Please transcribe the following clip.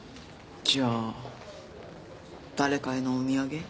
じゃあ誰かへのお土産？